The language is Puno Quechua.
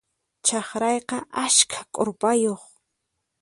Chakrayqa askha k'urpayuq.